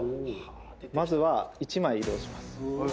まずは１枚移動します。